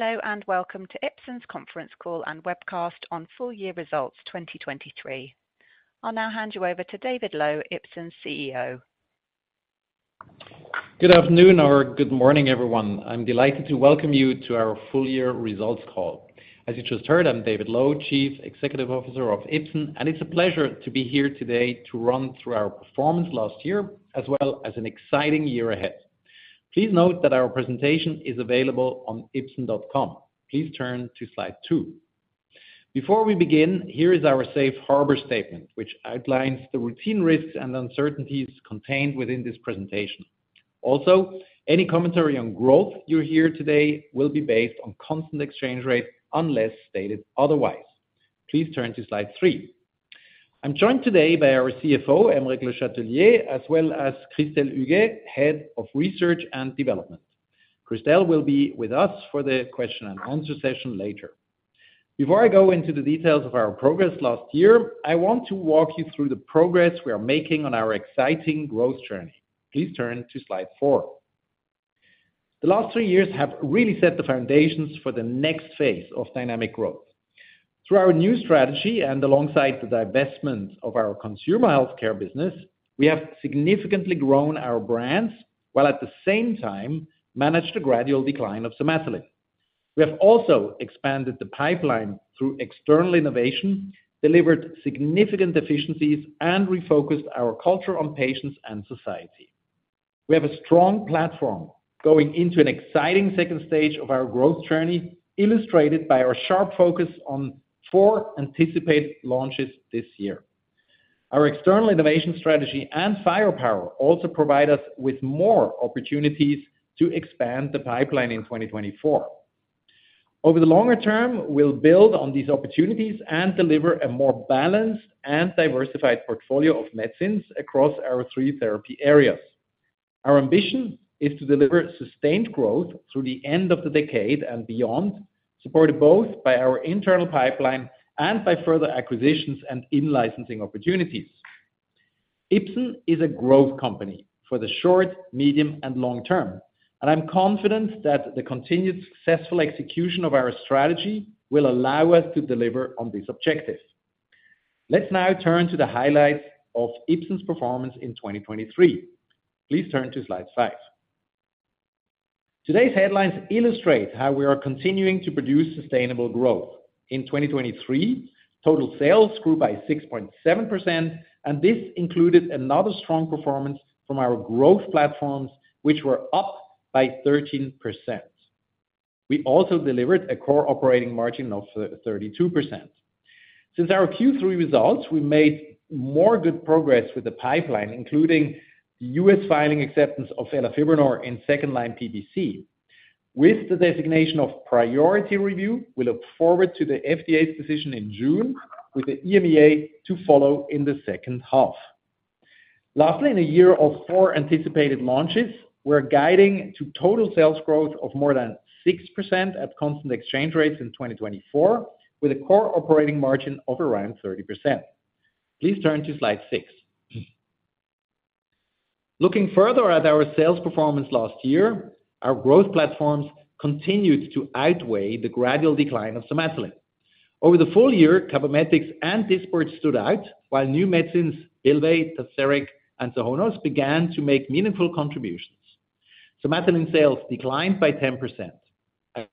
Hello, and welcome to Ipsen's Conference Call and Webcast on Full Year Results 2023. I'll now hand you over to David Loew, Ipsen's CEO. Good afternoon or good morning, everyone. I'm delighted to welcome you to our Full Year Results Call. As you just heard, I'm David Loew, Chief Executive Officer of Ipsen, and it's a pleasure to be here today to run through our performance last year, as well as an exciting year ahead. Please note that our presentation is available on ipsen.com. Please turn to Slide 2. Before we begin, here is our safe harbor statement, which outlines the routine risks and uncertainties contained within this presentation. Also, any commentary on growth you hear today will be based on constant exchange rate, unless stated otherwise. Please turn to Slide 3. I'm joined today by our CFO, Aymeric Le Chatelier, as well as Christelle Huguet, Head of Research and Development. Christelle will be with us for the question and answer session later. Before I go into the details of our progress last year, I want to walk you through the progress we are making on our exciting growth journey. Please turn to Slide 4. The last three years have really set the foundations for the next phase of dynamic growth. Through our new strategy and alongside the divestment of our consumer healthcare business, we have significantly grown our brands, while at the same time managed a gradual decline of Somatuline. We have also expanded the pipeline through external innovation, delivered significant efficiencies, and refocused our culture on patients and society. We have a strong platform going into an exciting second stage of our growth journey, illustrated by our sharp focus on four anticipated launches this year. Our external innovation strategy and firepower also provide us with more opportunities to expand the pipeline in 2024. Over the longer term, we'll build on these opportunities and deliver a more balanced and diversified portfolio of medicines across our three therapy areas. Our ambition is to deliver sustained growth through the end of the decade and beyond, supported both by our internal pipeline and by further acquisitions and in-licensing opportunities. Ipsen is a growth company for the short, medium, and long term, and I'm confident that the continued successful execution of our strategy will allow us to deliver on these objectives. Let's now turn to the highlights of Ipsen's performance in 2023. Please turn to Slide 5. Today's headlines illustrate how we are continuing to produce sustainable growth. In 2023, total sales grew by 6.7%, and this included another strong performance from our growth platforms, which were up by 13%. We also delivered a core operating margin of 32%. Since our Q3 results, we made more good progress with the pipeline, including U.S. filing acceptance of elafibranor in second-line PBC. With the designation of priority review, we look forward to the FDA's decision in June, with the EMEA to follow in the second half. Lastly, in a year of four anticipated launches, we're guiding to total sales growth of more than 6% at constant exchange rates in 2024, with a core operating margin of around 30%. Please turn to Slide 6. Looking further at our sales performance last year, our growth platforms continued to outweigh the gradual decline of Somatuline. Over the full year, Cabometyx and Dysport stood out, while new medicines, Bylvay, Tazverik, and Sohonos, began to make meaningful contributions. Somatuline sales declined by 10%. I'll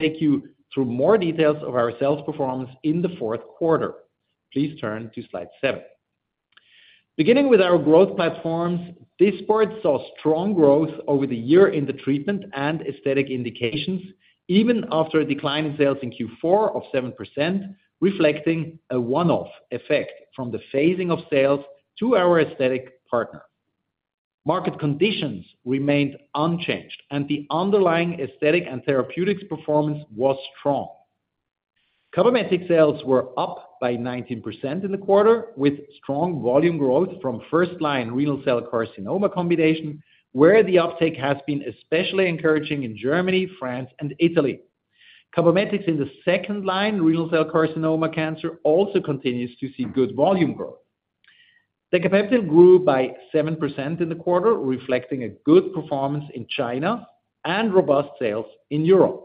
take you through more details of our sales performance in the fourth quarter. Please turn to Slide 7. Beginning with our growth platforms, Dysport saw strong growth over the year in the treatment and aesthetic indications, even after a decline in sales in Q4 of 7%, reflecting a one-off effect from the phasing of sales to our aesthetic partner. Market conditions remained unchanged, and the underlying aesthetic and therapeutics performance was strong. Cabometyx sales were up by 19% in the quarter, with strong volume growth from first-line renal cell carcinoma combination, where the uptake has been especially encouraging in Germany, France, and Italy. Cabometyx in the second line, renal cell carcinoma cancer also continues to see good volume growth. Decapeptyl grew by 7% in the quarter, reflecting a good performance in China and robust sales in Europe.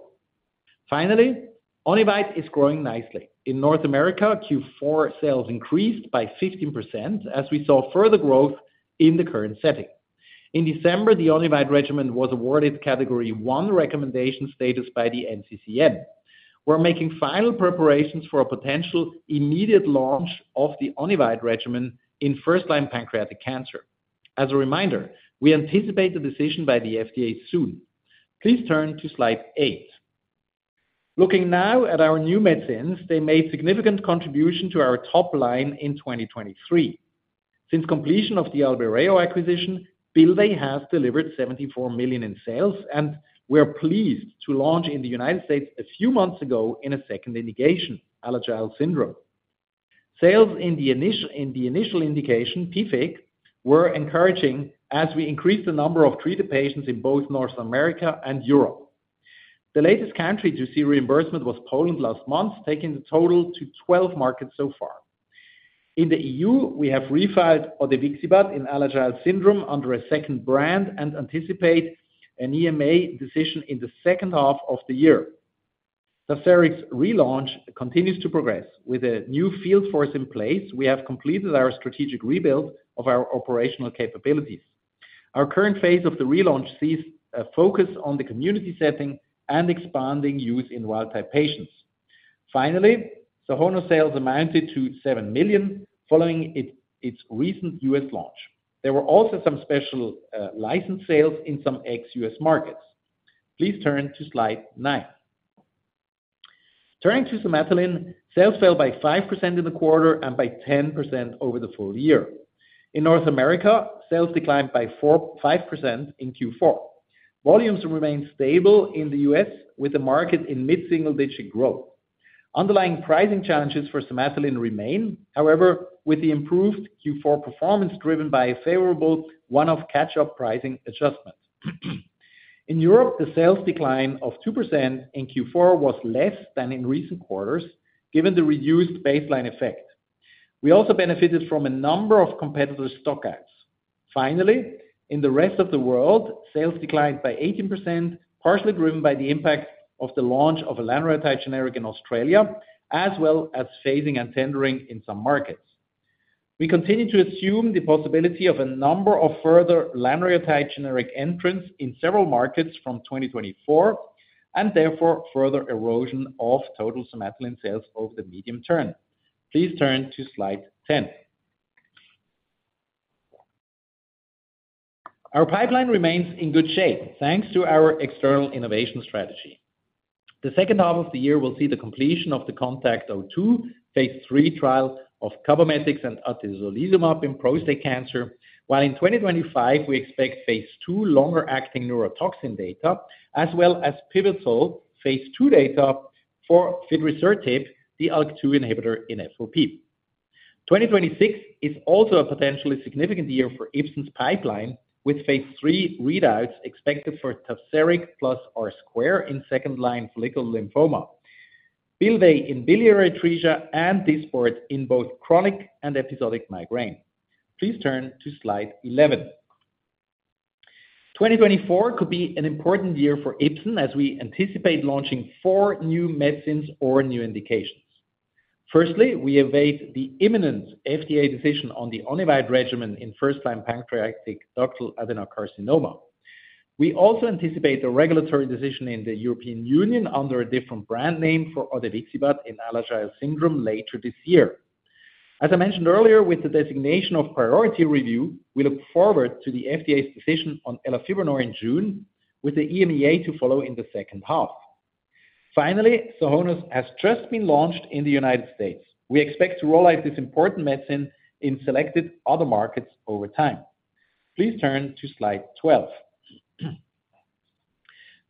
Finally, Onivyde is growing nicely. In North America, Q4 sales increased by 15%, as we saw further growth in the current setting. In December, the Onivyde regimen was awarded Category One Recommendation status by the NCCN. We're making final preparations for a potential immediate launch of the Onivyde regimen in first-line pancreatic cancer. As a reminder, we anticipate the decision by the FDA soon. Please turn to Slide 8. Looking now at our new medicines, they made significant contribution to our top line in 2023. Since completion of the Albireo acquisition, Bylvay has delivered 74 million in sales, and we are pleased to launch in the United States a few months ago in a second indication, Alagille syndrome. Sales in the initial indication, PFIC, were encouraging as we increased the number of treated patients in both North America and Europe. The latest country to see reimbursement was Poland last month, taking the total to 12 markets so far. In the E.U., we have refiled odevixibat in Alagille syndrome under a second brand and anticipate an EMEA decision in the second half of the year. Tazverik's relaunch continues to progress. With a new field force in place, we have completed our strategic rebuild of our operational capabilities. Our current phase of the relaunch sees a focus on the community setting and expanding use in wild type patients. Finally, Sohonos sales amounted to 7 million, following its recent U.S. launch. There were also some special license sales in some ex-U.S. markets. Please turn to Slide 9. Turning to Somatuline, sales fell by 5% in the quarter and by 10% over the full year. In North America, sales declined by five percent in Q4. Volumes remained stable in the U.S., with the market in mid-single-digit growth. Underlying pricing challenges for Somatuline remain. However, with the improved Q4 performance driven by a favorable one-off catch-up pricing adjustment. In Europe, the sales decline of 2% in Q4 was less than in recent quarters, given the reduced baseline effect. We also benefited from a number of competitive stock outs. Finally, in the rest of the world, sales declined by 18%, partially driven by the impact of the launch of a lanreotide generic in Australia, as well as phasing and tendering in some markets. We continue to assume the possibility of a number of further lanreotide generic entrants in several markets from 2024, and therefore further erosion of total Somatuline sales over the medium term. Please turn to Slide 10. Our pipeline remains in good shape, thanks to our external innovation strategy. The second half of the year will see the completion of the CONTACT-O2 phase III trial of Cabometyx and atezolizumab in prostate cancer, while in 2025, we expect phase II longer-acting neurotoxin data, as well as pivotal phase II data for fidrisertib, the ALK-2 inhibitor in FOP. 2026 is also a potentially significant year for Ipsen's pipeline, with phase III readouts expected for Tazverik plus R-squared in second-line follicular lymphoma, Bylvay in biliary atresia, and Dysport in both chronic and episodic migraine. Please turn to Slide 11. 2024 could be an important year for Ipsen as we anticipate launching four new medicines or new indications. Firstly, we await the imminent FDA decision on the Onivyde regimen in first-line pancreatic ductal adenocarcinoma. We also anticipate the regulatory decision in the European Union under a different brand name for odevixibat in Alagille syndrome later this year. As I mentioned earlier, with the designation of priority review, we look forward to the FDA's decision on elafibranor in June, with the EMEA to follow in the second half. Finally, Sohonos has just been launched in the United States. We expect to roll out this important medicine in selected other markets over time. Please turn to Slide 12.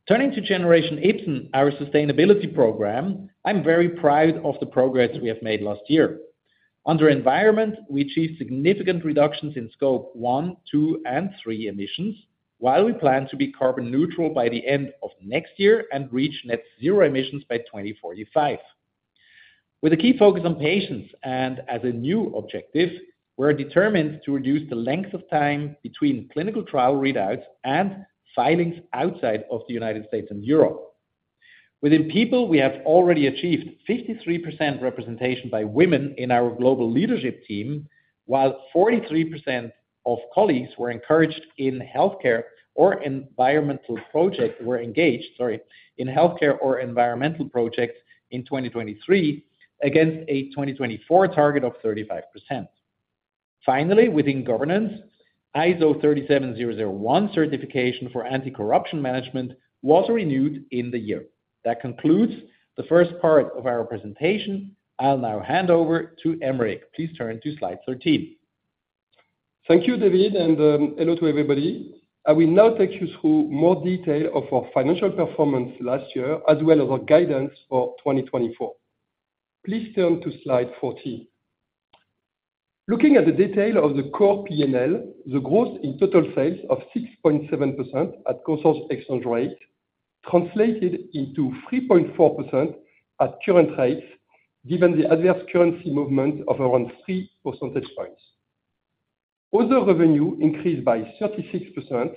Turning to Generation Ipsen, our sustainability program, I'm very proud of the progress we have made last year. Under environment, we achieved significant reductions in Scope 1, 2, and 3 emissions, while we plan to be carbon neutral by the end of next year and reach net zero emissions by 2045. With a key focus on patients and as a new objective, we're determined to reduce the length of time between clinical trial readouts and filings outside of the United States and Europe. Within people, we have already achieved 53% representation by women in our global leadership team, while 43% of colleagues were engaged in healthcare or environmental projects in 2023, against a 2024 target of 35%. Finally, within governance, ISO 37001 certification for anti-corruption management was renewed in the year. That concludes the first part of our presentation. I'll now hand over to Aymeric. Please turn to Slide 13. Thank you, David, and hello to everybody. I will now take you through more detail of our financial performance last year, as well as our guidance for 2024. Please turn to Slide 14. Looking at the detail of the core P&L, the growth in total sales of 6.7% at constant exchange rate translated into 3.4% at current rates, given the adverse currency movement of around 3 percentage points. Other revenue increased by 36%,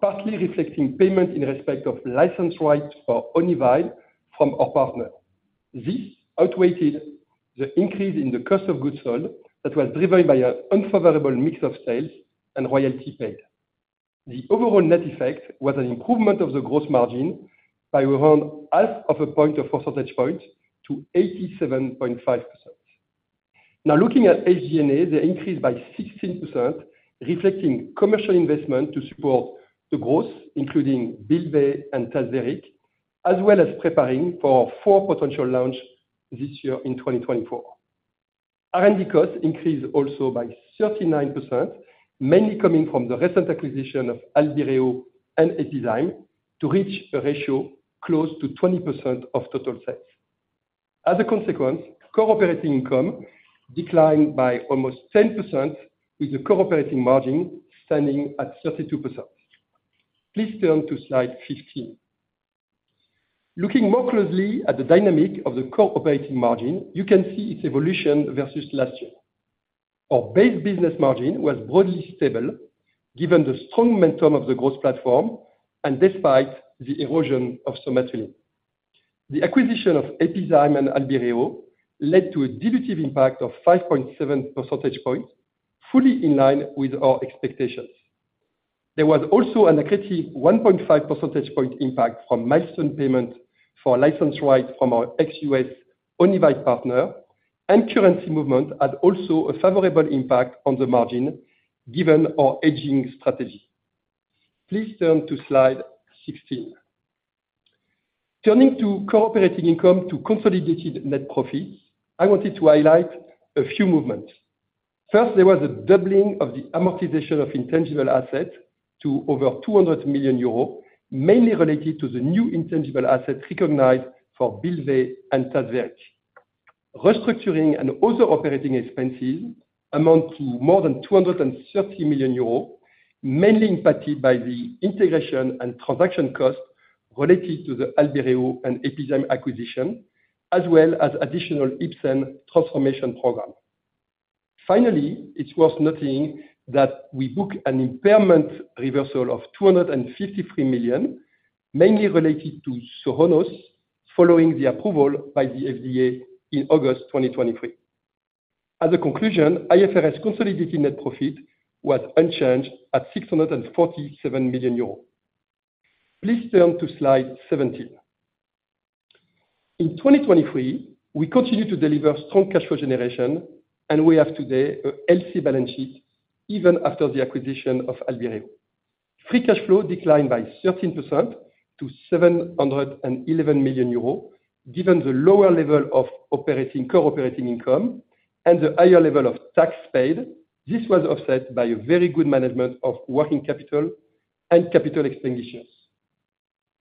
partly reflecting payment in respect of license rights for Onivyde from our partner. This outweighed the increase in the cost of goods sold that was driven by an unfavorable mix of sales and royalty paid. The overall net effect was an improvement of the gross margin by around half of a point of percentage point to 87.5%. Now, looking at SG&A, they increased by 16%, reflecting commercial investment to support the growth, including Bylvay and Tazverik, as well as preparing for four potential launches this year in 2024. R&D costs increased also by 39%, mainly coming from the recent acquisition of Albireo and Epizyme, to reach a ratio close to 20% of total sales. As a consequence, core operating income declined by almost 10%, with the core operating margin standing at 32%. Please turn to Slide 15. Looking more closely at the dynamic of the core operating margin, you can see its evolution versus last year. Our base business margin was broadly stable, given the strong momentum of the growth platform and despite the erosion of Somatuline. The acquisition of Epizyme and Albireo led to a dilutive impact of 5.7 percentage points, fully in line with our expectations. There was also a negative 1.5 percentage point impact from milestone payment for license right from our ex-U.S. Onivyde partner, and currency movement had also a favorable impact on the margin, given our hedging strategy. Please turn to Slide 16. Turning to core operating income to consolidated net profit, I wanted to highlight a few movements. First, there was a doubling of the amortization of intangible assets to over 200 million euros, mainly related to the new intangible assets recognized for Bylvay and Tazverik. Restructuring and other operating expenses amount to more than 230 million euros, mainly impacted by the integration and transaction costs related to the Albireo and Epizyme acquisition, as well as additional Ipsen transformation program. Finally, it's worth noting that we book an impairment reversal of 253 million, mainly related to Sohonos, following the approval by the FDA in August 2023. As a conclusion, IFRS consolidated net profit was unchanged at 647 million euros. Please turn to Slide 17. In 2023, we continued to deliver strong cash flow generation, and we have today a healthy balance sheet, even after the acquisition of Albireo. Free cash flow declined by 13% to 711 million euros, given the lower level of operating, core operating income and the higher level of tax paid. This was offset by a very good management of working capital and capital expenditures.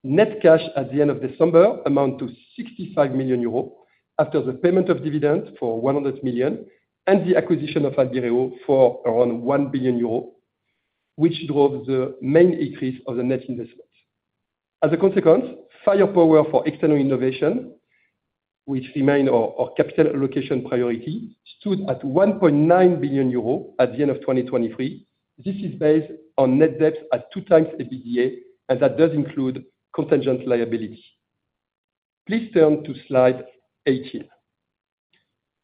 Net cash at the end of December amount to 65 million euros, after the payment of dividends for 100 million and the acquisition of Albireo for around 1 billion euros, which drove the main increase of the net investments. As a consequence, firepower for external innovation, which remain our capital allocation priority, stood at 1 billion euros at the end of 2023. This is based on net debt at 2x EBITDA, and that does include contingent liability. Please turn to Slide 18.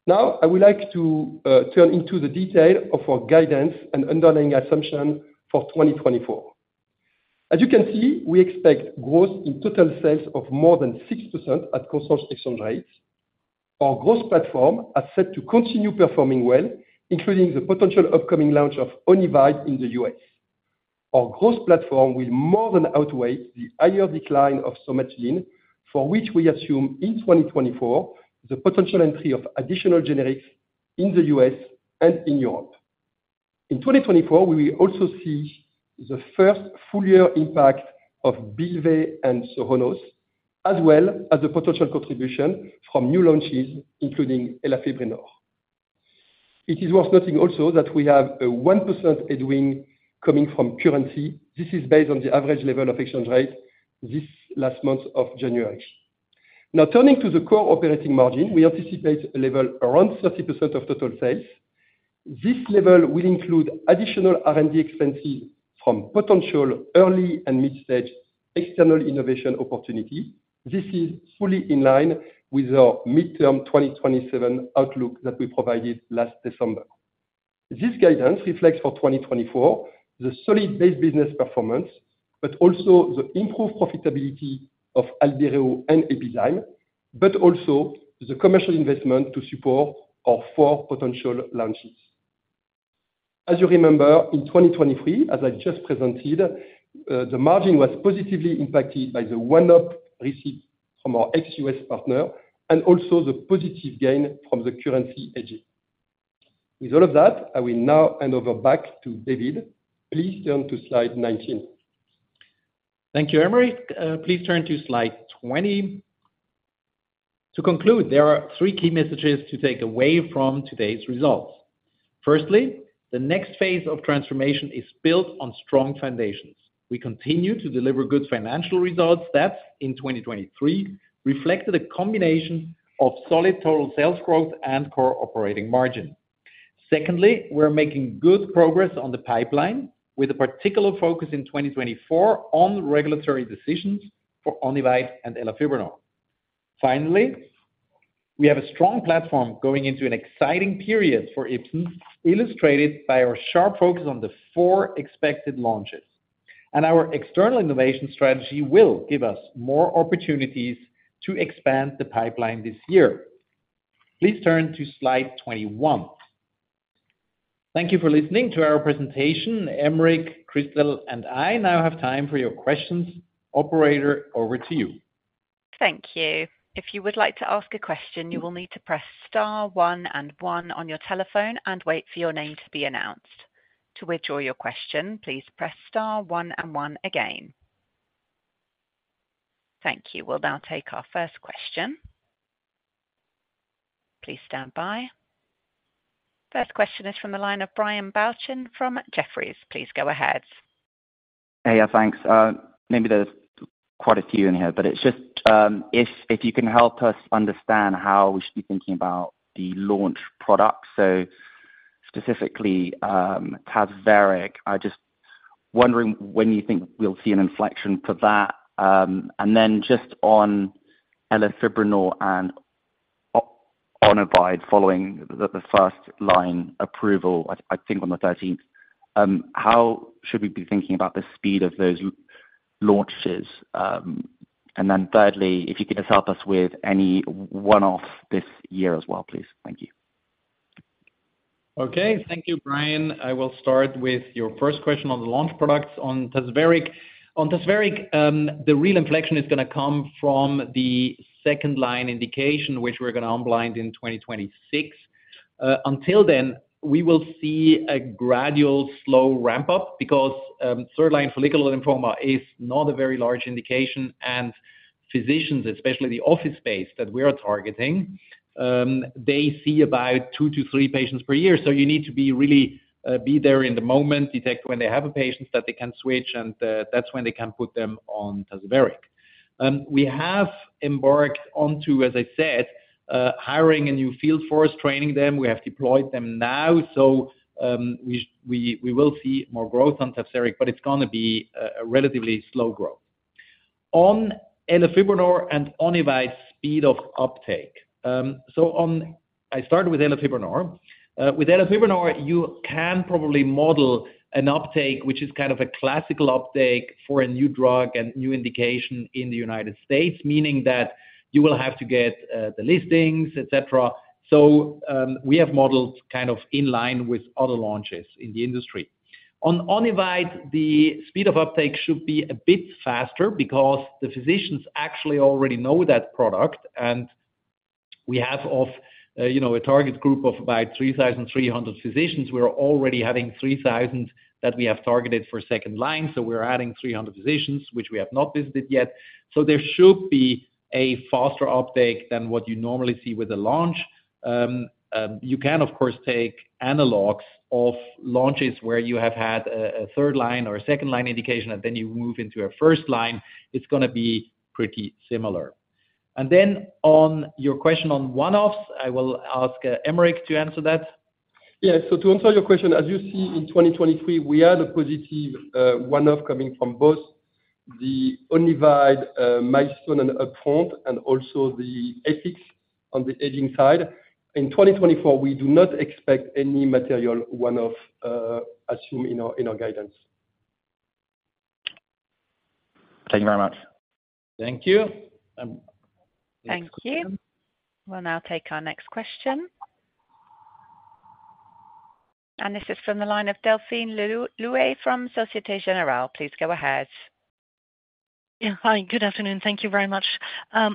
Now, I would like to turn into the detail of our guidance and underlying assumption for 2024. As you can see, we expect growth in total sales of more than 6% at constant exchange rates. Our growth platform are set to continue performing well, including the potential upcoming launch of Onivyde in the U.S. Our growth platform will more than outweigh the higher decline of Somatuline, for which we assume in 2024, the potential entry of additional generics in the U.S. and in Europe. In 2024, we will also see the first full year impact of Bylvay and Sohonos, as well as the potential contribution from new launches, including elafibranor. It is worth noting also that we have a 1% headwind coming from currency. This is based on the average level of exchange rate this last month of January. Now, turning to the core operating margin, we anticipate a level around 30% of total sales. This level will include additional R&D expenses from potential early and mid-stage external innovation opportunity. This is fully in line with our midterm 2027 outlook that we provided last December. This guidance reflects for 2024, the solid base business performance, but also the improved profitability of Albireo and Epizyme, but also the commercial investment to support our four potential launches. As you remember, in 2023, as I just presented, the margin was positively impacted by the one-off receipt from our ex-US partner, and also the positive gain from the currency hedging. With all of that, I will now hand over back to David. Please turn to Slide 19. Thank you, Aymeric. Please turn to Slide 20. To conclude, there are three key messages to take away from today's results. Firstly, the next phase of transformation is built on strong foundations. We continue to deliver good financial results that in 2023 reflected a combination of solid total sales growth and core operating margin. Secondly, we're making good progress on the pipeline with a particular focus in 2024 on regulatory decisions for Onivyde and elafibranor. Finally, we have a strong platform going into an exciting period for Ipsen, illustrated by our sharp focus on the four expected launches. Our external innovation strategy will give us more opportunities to expand the pipeline this year. Please turn to Slide 21. Thank you for listening to our presentation. Aymeric, Christelle, and I now have time for your questions. Operator, over to you. Thank you. If you would like to ask a question, you will need to press star one and one on your telephone and wait for your name to be announced. To withdraw your question, please press star one and one again. Thank you. We'll now take our first question. Please stand by. First question is from the line of Brian Balchin from Jefferies. Please go ahead. Hey, yeah, thanks. Maybe there's quite a few in here, but it's just, if you can help us understand how we should be thinking about the launch product. So specifically, Tazverik, I just wondering when you think we'll see an inflection for that. And then just on elafibranor and Onivyde, following the first-line approval, I think on the 13th, how should we be thinking about the speed of those launches? And then thirdly, if you could just help us with any one-off this year as well, please. Thank you. Okay. Thank you, Brian. I will start with your first question on the launch products on Tazverik. On Tazverik, the real inflection is gonna come from the second-line indication, which we're gonna unblind in 2026. Until then, we will see a gradual slow ramp-up because third-line follicular lymphoma is not a very large indication, and physicians, especially the office space that we are targeting, they see about two-three patients per year. So you need to be really, be there in the moment, detect when they have a patient that they can switch, and that's when they can put them on Tazverik. We have embarked onto, as I said, hiring a new field force, training them. We have deployed them now, so, we will see more growth on Tazverik, but it's gonna be a relatively slow growth. On elafibranor and Onivyde speed of uptake. So, I started with elafibranor. With elafibranor, you can probably model an uptake, which is kind of a classical uptake for a new drug and new indication in the United States, meaning that you will have to get the listings, et cetera. So, we have modeled kind of in line with other launches in the industry. On Onivyde, the speed of uptake should be a bit faster because the physicians actually already know that product. And we have, you know, a target group of about 3,300 physicians. We are already having 3,000 that we have targeted for second line, so we're adding 300 physicians, which we have not visited yet. So there should be a faster uptake than what you normally see with the launch. You can, of course, take analogs of launches where you have had a third line or a second line indication, and then you move into a first line. It's gonna be pretty similar. And then on your question, on one-offs, I will ask Aymeric to answer that. Yeah. So to answer your question, as you see in 2023, we had a positive one-off coming from both the Onivyde milestone and upfront, and also the acquisitions on the alliance side. In 2024, we do not expect any material one-off, as assumed in our guidance. Thank you very much. Thank you. Thank you. We'll now take our next question. This is from the line of Delphine Le Louët from Société Générale. Please go ahead. Yeah. Hi, good afternoon. Thank you very much. A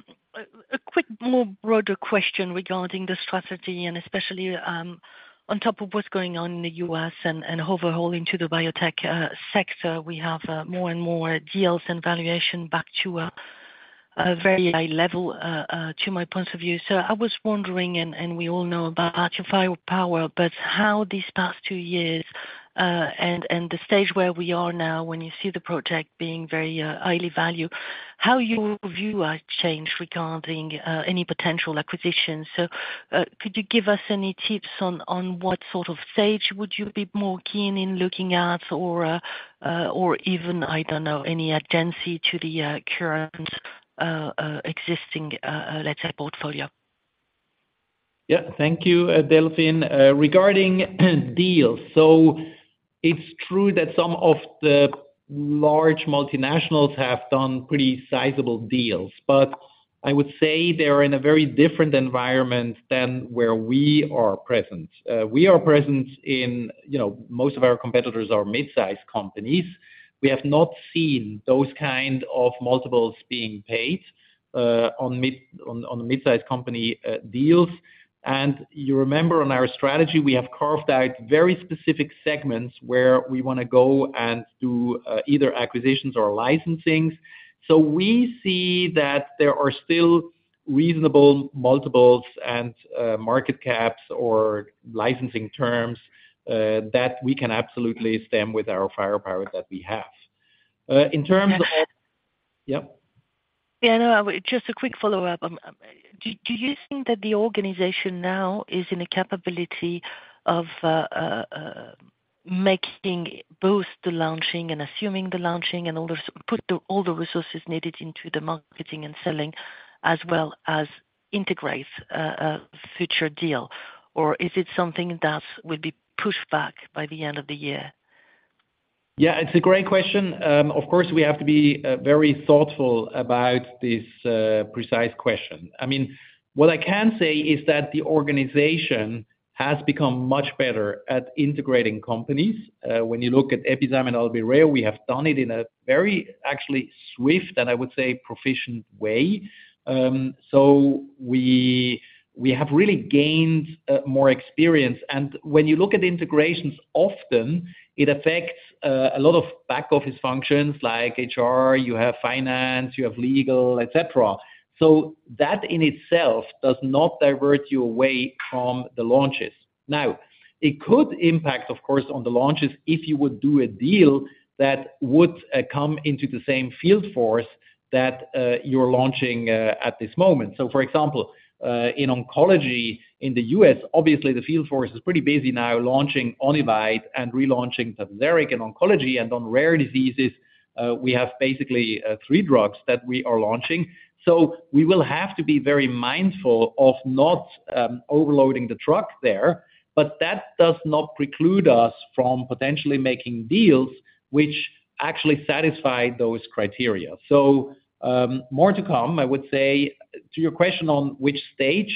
quick, more broader question regarding the strategy and especially, on top of what's going on in the U.S. and overall into the biotech sector. We have more and more deals and valuation back to a very high level, to my point of view. So I was wondering, and we all know about your firepower, but how these past two years and the stage where we are now, when you see the project being very highly valued, how your view has changed regarding any potential acquisitions? Could you give us any tips on what sort of stage would you be more keen in looking at or even, I don't know, any urgency to the existing, let's say, portfolio? Yeah. Thank you, Delphine. Regarding deals, so it's true that some of the large multinationals have done pretty sizable deals, but I would say they're in a very different environment than where we are present. We are present in, you know, most of our competitors are mid-sized companies. We have not seen those kind of multiples being paid on the mid-sized company deals. And you remember, on our strategy, we have carved out very specific segments where we wanna go and do either acquisitions or licensing. So we see that there are still reasonable multiples and market caps or licensing terms that we can absolutely stand with our firepower that we have. In terms of- And- Yep. Yeah, no, just a quick follow-up. Do you think that the organization now is in a capability of making both the launching and assuming the launching and all the resources needed into the marketing and selling, as well as integrate a future deal? Or is it something that will be pushed back by the end of the year? Yeah, it's a great question. Of course, we have to be very thoughtful about this precise question. I mean, what I can say is that the organization has become much better at integrating companies. When you look at Epizyme and Albireo, we have done it in a very actually swift, and I would say, proficient way. So we have really gained more experience. And when you look at integrations, often it affects a lot of back-office functions, like HR, you have finance, you have legal, et cetera. So that in itself does not divert you away from the launches. Now, it could impact, of course, on the launches if you would do a deal that would come into the same field force that you're launching at this moment. So for example, in oncology in the U.S., obviously the field force is pretty busy now launching Onivyde and relaunching Zepatier in oncology. On rare diseases, we have basically three drugs that we are launching. So we will have to be very mindful of not overloading the truck there, but that does not preclude us from potentially making deals which actually satisfy those criteria. So, more to come, I would say. To your question on which stage,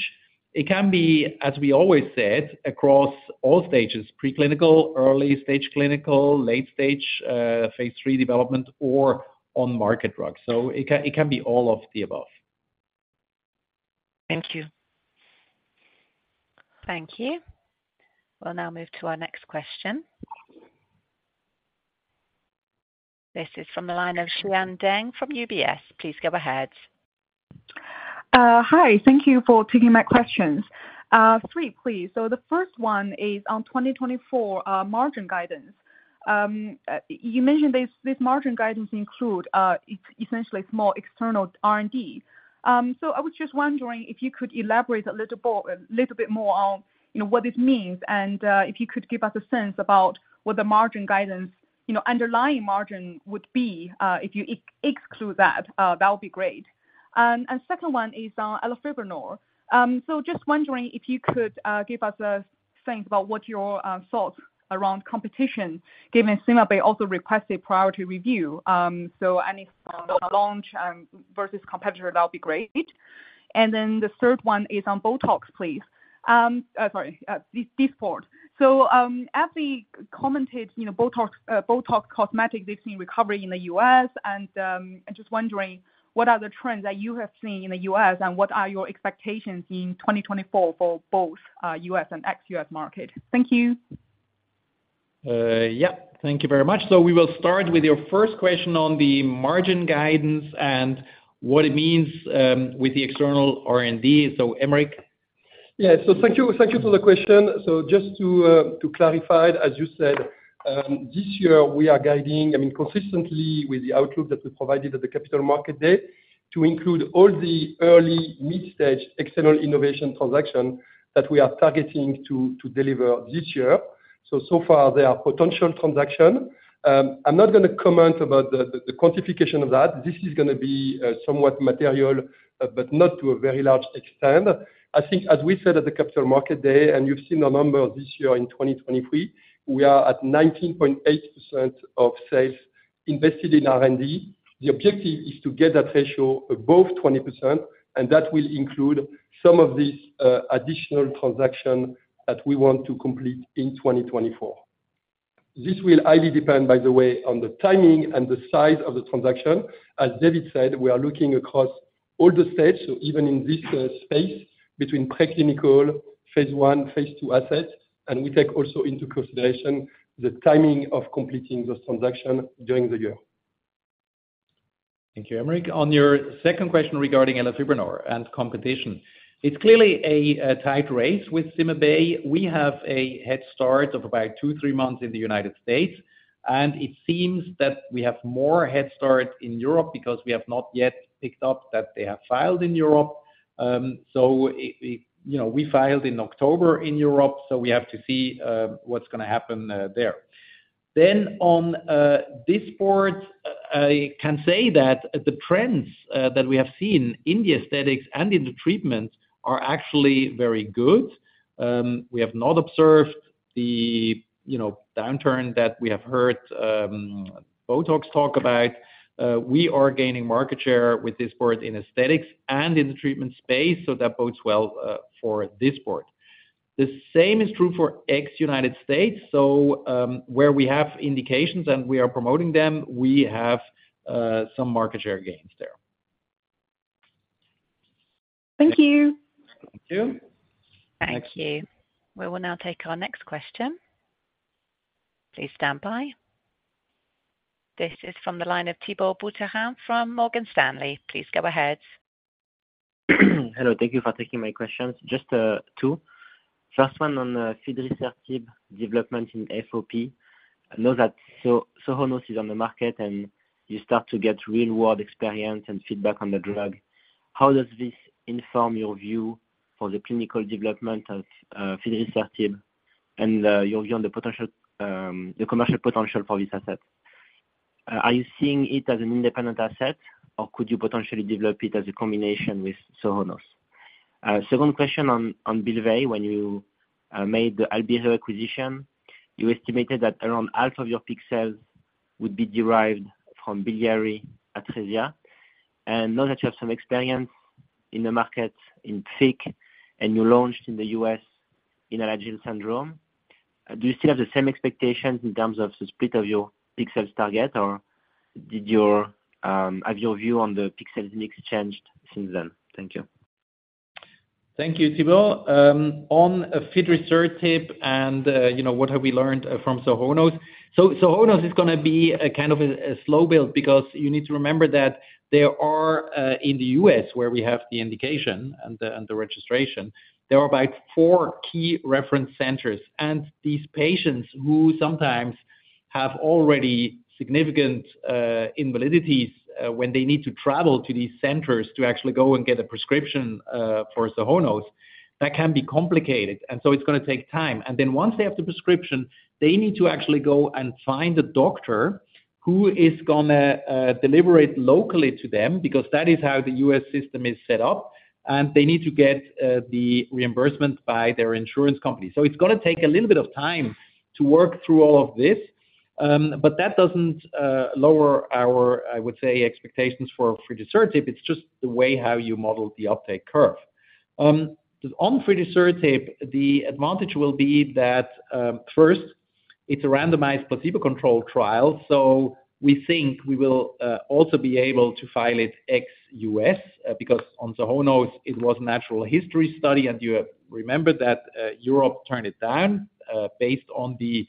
it can be, as we always said, across all stages, preclinical, early stage clinical, late stage, phase three development, or on market drugs. So it can, it can be all of the above. Thank you. Thank you. We'll now move to our next question. This is from the line of Xian Deng from UBS. Please go ahead. Hi. Thank you for taking my questions. Three, please. So the first one is on 2024 margin guidance. You mentioned this margin guidance include essentially more external R&D. So I was just wondering if you could elaborate a little more, a little bit more on, you know, what this means, and if you could give us a sense about what the margin guidance, you know, underlying margin would be if you exclude that, that would be great. And second one is on elafibranor. So just wondering if you could give us a think about what your thoughts around competition, given CymaBay also request a priority review. So any launch versus competitor, that would be great. And then the third one is on Botox, please. Sorry, Dysport. So, as we commented, you know, Botox, Botox Cosmetic, they've seen recovery in the U.S., and just wondering, what are the trends that you have seen in the U.S., and what are your expectations in 2024 for both, U.S. and ex-U.S. market? Thank you. Yeah. Thank you very much. We will start with your first question on the margin guidance and what it means with the external R&D. So, Aymeric? Yeah. So thank you, thank you for the question. So just to clarify, as you said, this year, we are guiding, I mean, consistently with the outlook that we provided at the Capital Markets Day, to include all the early mid-stage external innovation transactions that we are targeting to deliver this year. So far, they are potential transactions. I'm not gonna comment about the quantification of that. This is gonna be somewhat material, but not to a very large extent. I think as we said at the Capital Markets Day, and you've seen the number this year in 2023, we are at 19.8% of sales invested in R&D. The objective is to get that ratio above 20%, and that will include some of these additional transactions that we want to complete in 2024. This will highly depend, by the way, on the timing and the size of the transaction. As David said, we are looking across all the states, so even in this space between preclinical phase one, phase two assets, and we take also into consideration the timing of completing those transaction during the year. Thank you, Aymeric. On your second question regarding elafibranor and competition, it's clearly a tight race with CymaBay. We have a head start of about two-three months in the United States, and it seems that we have more head start in Europe because we have not yet picked up that they have filed in Europe. So it you know, we filed in October in Europe, so we have to see what's gonna happen there. Then on Dysport, I can say that the trends that we have seen in the aesthetics and in the treatment are actually very good. We have not observed the you know, downturn that we have heard Botox talk about. We are gaining market share with Dysport in aesthetics and in the treatment space, so that bodes well for Dysport. The same is true for ex-United States, so, where we have indications, and we are promoting them, we have some market share gains there. Thank you. Thank you. Thank you. We will now take our next question. Please stand by. This is from the line of Thibault Boutherin from Morgan Stanley. Please go ahead. Hello, thank you for taking my questions. Just two. First one, on fidrisertib development in FOP. I know that Sohonos is on the market, and you start to get real-world experience and feedback on the drug. How does this inform your view for the clinical development of fidrisertib, and your view on the potential, the commercial potential for this asset? Are you seeing it as an independent asset, or could you potentially develop it as a combination with Sohonos? Second question on, on Bylvay. When you, made the Albireo acquisition, you estimated that around half of your peak sales would be derived from biliary atresia. And now that you have some experience in the market in PFIC, and you launched in the U.S. in Alagille syndrome, do you still have the same expectations in terms of the split of your peak sales target, or did your, have your view on the peak sales mix changed since then? Thank you. Thank you, Thibault. On fidrisertib and, you know, what have we learned from Sohonos. So, Sohonos is going to be a kind of a slow build because you need to remember that there are in the U.S., where we have the indication and the registration, there are about four key reference centers. And these patients who sometimes have already significant invalidities when they need to travel to these centers to actually go and get a prescription for Sohonos, that can be complicated, and so it's going to take time. And then once they have the prescription, they need to actually go and find a doctor who is going to deliberate locally to them, because that is how the U.S. system is set up, and they need to get the reimbursement by their insurance company. So it's going to take a little bit of time to work through all of this. But that doesn't lower our, I would say, expectations for fidrisertib. It's just the way how you model the uptake curve. On fidrisertib, the advantage will be that, first, it's a randomized placebo-controlled trial, so we think we will also be able to file it ex-U.S., because on Sohonos, it was natural history study, and you remember that, Europe turned it down, based on the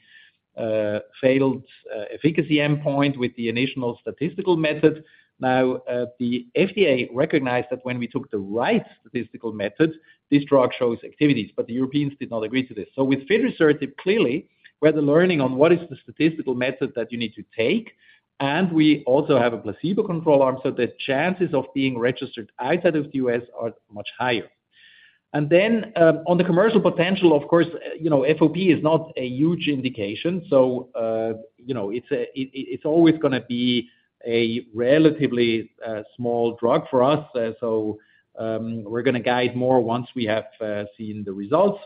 failed efficacy endpoint with the initial statistical method. Now, the FDA recognized that when we took the right statistical method, this drug shows activities, but the Europeans did not agree to this. So with fidrisertib, clearly, we're learning on what is the statistical method that you need to take, and we also have a placebo control arm, so the chances of being registered outside of the U.S. are much higher. And then, on the commercial potential, of course, you know, FOP is not a huge indication, so, you know, it's always going to be a relatively small drug for us. So, we're going to guide more once we have seen the results.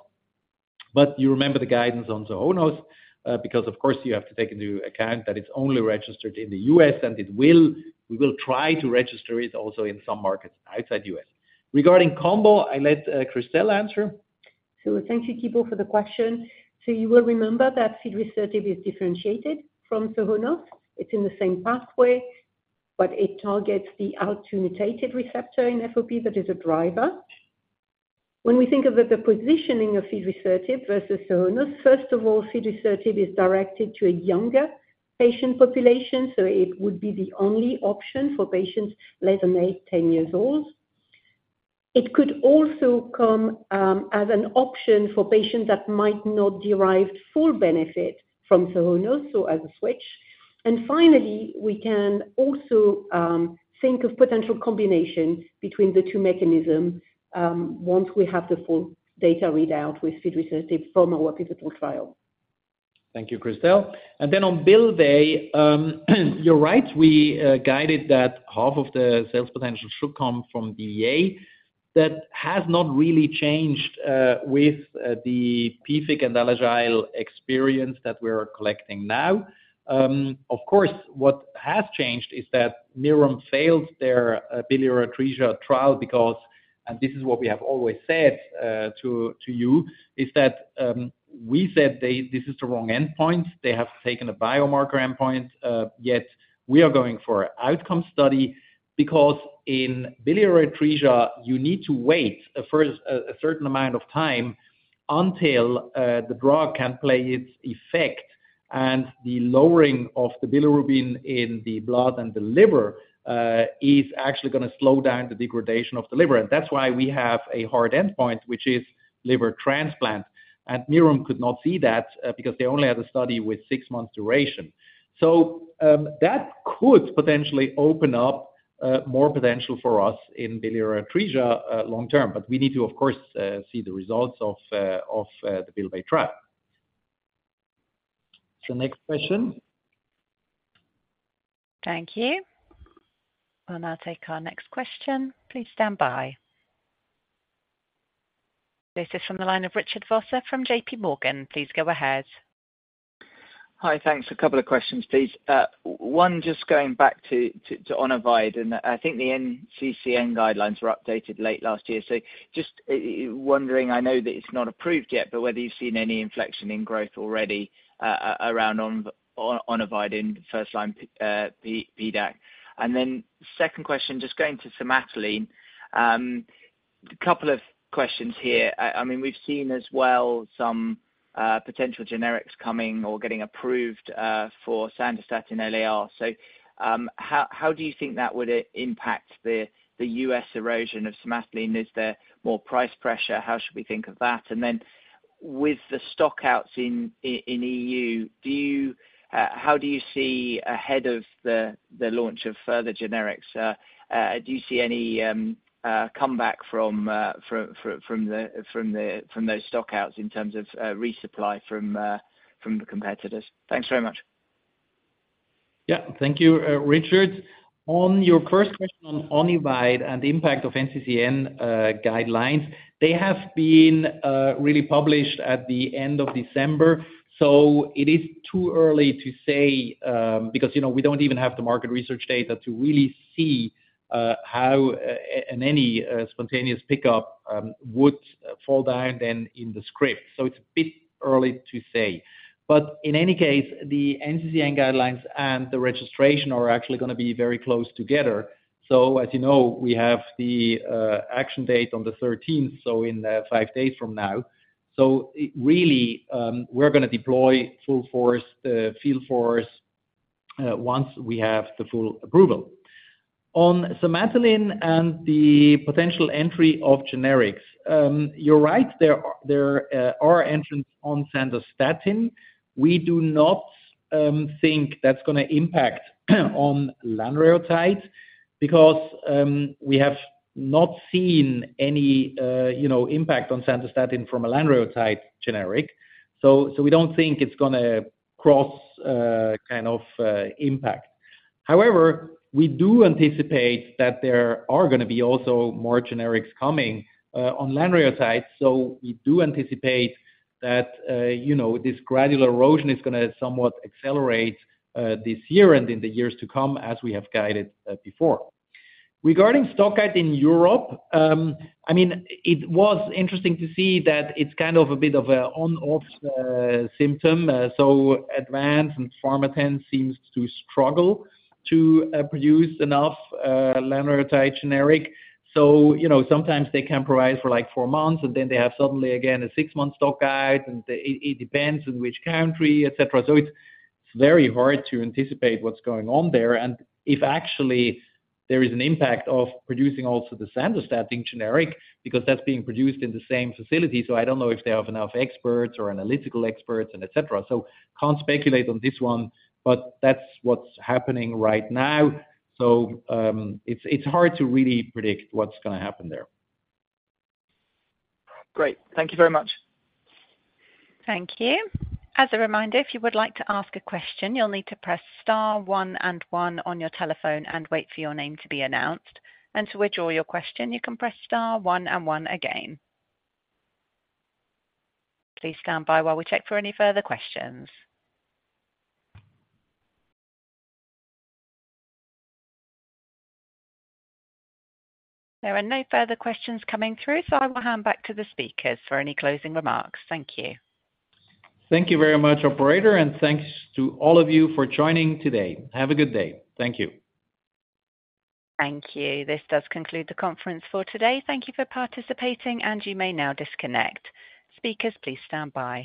But you remember the guidance on Sohonos, because of course, you have to take into account that it's only registered in the U.S., and it will, we will try to register it also in some markets outside U.S. Regarding combo, I let Christelle answer. So thank you, Thibault, for the question. So you will remember that fidrisertib is differentiated from Sohonos. It's in the same pathway, but it targets the altered mutated receptor in FOP that is a driver. When we think of the positioning of fidrisertib versus Sohonos, first of all, fidrisertib is directed to a younger patient population, so it would be the only option for patients less than 8-10 years old. It could also come as an option for patients that might not derive full benefit from Sohonos, so as a switch. And finally, we can also think of potential combinations between the two mechanisms once we have the full data readout with fidrisertib from our pivotal trial. Thank you, Christelle. And then on Bylvay, you're right, we guided that half of the sales potential should come from BA. That has not really changed with the PFIC and Alagille experience that we're collecting now. Of course, what has changed is that Mirum failed their biliary atresia trial because, and this is what we have always said to you, is that we said they—this is the wrong endpoint. They have taken a biomarker endpoint, yet we are going for outcome study because in biliary atresia, you need to wait first a certain amount of time until the drug can play its effect, and the lowering of the bilirubin in the blood and the liver is actually going to slow down the degradation of the liver. That's why we have a hard endpoint, which is liver transplant. Mirum could not see that, because they only had a study with six months duration. So, that could potentially open up more potential for us in biliary atresia long term, but we need to, of course, see the results of the Bylvay trial. So next question? Thank you. We'll now take our next question. Please stand by. This is from the line of Richard Vosser from JPMorgan. Please go ahead. Hi, thanks. A couple of questions, please. One, just going back to Onivyde, and I think the NCCN guidelines were updated late last year. So just wondering, I know that it's not approved yet, but whether you've seen any inflection in growth already around Onivyde in first line PDAC? And then second question, just going to Somatuline. A couple of questions here. I mean, we've seen as well some potential generics coming or getting approved for Sandostatin LAR. So, how do you think that would impact the U.S. erosion of Somatuline? Is there more price pressure? How should we think of that? And then with the stock-outs in E.U., how do you see ahead of the launch of further generics? Do you see any comeback from those stock-outs in terms of resupply from the competitors? Thanks very much. Yeah. Thank you, Richard. On your first question on Onivyde and the impact of NCCN guidelines, they have been really published at the end of December, so it is too early to say, because, you know, we don't even have the market research data to really see how and any spontaneous pickup would fall down then in the script. So it's a bit early to say. But in any case, the NCCN guidelines and the registration are actually gonna be very close together. So as you know, we have the action date on the thirteenth, so in five days from now. So it really, we're gonna deploy full force, the field force, once we have the full approval. On Somatuline and the potential entry of generics, you're right, there are entrants on Sandostatin. We do not think that's gonna impact on lanreotide because we have not seen any, you know, impact on Sandostatin from a lanreotide generic. So we don't think it's gonna cross kind of impact. However, we do anticipate that there are gonna be also more generics coming on lanreotide, so we do anticipate that, you know, this gradual erosion is gonna somewhat accelerate this year and in the years to come, as we have guided before. Regarding stock out in Europe, I mean, it was interesting to see that it's kind of a bit of a on, off symptom. So Advanz Pharma and Pharmathen seems to struggle to produce enough lanreotide generic. So, you know, sometimes they can provide for, like, four months, and then they have suddenly, again, a six-month stock out, and it depends on which country, et cetera. So it's very hard to anticipate what's going on there, and if actually there is an impact of producing also the Sandostatin generic, because that's being produced in the same facility, so I don't know if they have enough experts or analytical experts and et cetera. So can't speculate on this one, but that's what's happening right now. So, it's hard to really predict what's gonna happen there. Great. Thank you very much. Thank you. As a reminder, if you would like to ask a question, you'll need to press star one and one on your telephone and wait for your name to be announced. To withdraw your question, you can press star one and one again. Please stand by while we check for any further questions. There are no further questions coming through, so I will hand back to the speakers for any closing remarks. Thank you. Thank you very much, operator, and thanks to all of you for joining today. Have a good day. Thank you. Thank you. This does conclude the conference for today. Thank you for participating, and you may now disconnect. Speakers, please stand by.